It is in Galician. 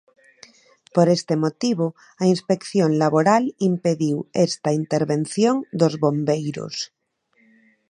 Por este motivo, a Inspección Laboral impediu esta intervención dos bombeiros.